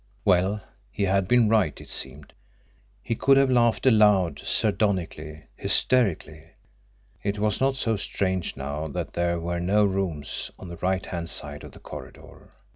Well, he had been right, it seemed! He could have laughed aloud sardonically, hysterically. It was not so strange now that there were no rooms on the right hand side of the corridor!